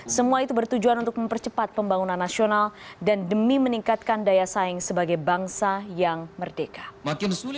semua itu bertujuan untuk mempercepat pembangunan nasional dan demi meningkatkan daya saing sebagai bangsa yang merdeka